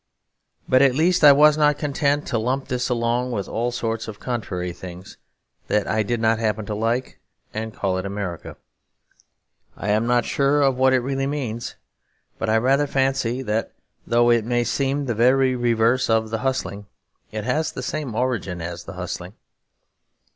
But at least I was not content to lump this along with all sorts of contrary things that I did not happen to like, and call it America. I am not sure of what it really means, but I rather fancy that though it may seem the very reverse of the hustling, it has the same origin as the hustling.